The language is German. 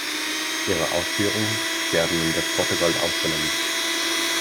Ihre Ausführungen werden in das Protokoll aufgenommen.